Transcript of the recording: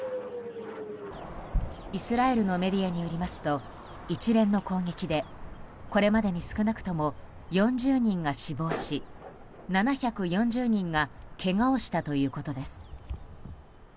イスラエルのメディアによりますと一連の攻撃でこれまでに少なくとも４０人が死亡し７４０人がけがをしたということです。